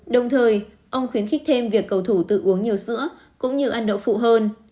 đồng thời ông khuyến khích thêm việc cầu thủ tự uống nhiều sữa cũng như ăn đậu phụ hơn